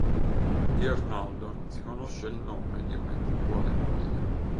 Di Arnaldo non si conosce il nome di una eventuale moglie.